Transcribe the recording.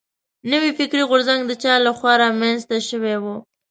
نوی فکري غورځنګ د چا له خوا را منځ ته شوی و.